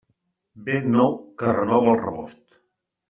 Vent nou que renova el rebost.